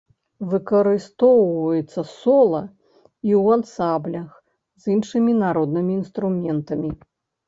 Выкарыстоўваецца сола і ў ансамблях з іншымі народнымі інструментамі.